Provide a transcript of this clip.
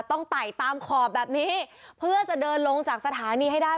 ไต่ตามขอบแบบนี้เพื่อจะเดินลงจากสถานีให้ได้